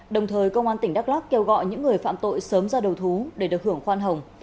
đồng thời công an tỉnh đắk lắc kêu gọi những người phạm tội sớm ra đầu thú để được hưởng khoan hồng